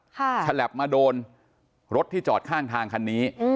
ฉลับมาโดนรถที่จอดข้างทางคันนี้